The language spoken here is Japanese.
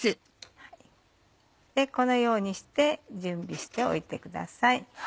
このようにして準備しておいてください。